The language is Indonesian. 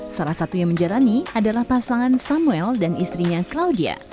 salah satu yang menjalani adalah pasangan samuel dan istrinya claudia